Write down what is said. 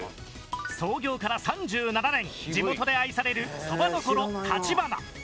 創業から３７年地元で愛されるそば処たちばな。